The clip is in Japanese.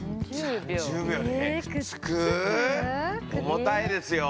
重たいですよ。